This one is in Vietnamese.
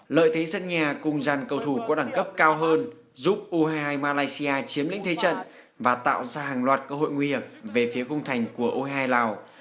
lợi thế sân nhà cùng dàn cầu thủ có đẳng cấp cao hơn giúp u hai mươi hai malaysia chiếm lĩnh thế trận và tạo ra hàng loạt cơ hội nguy hiểm về phía cung thành của u hai lào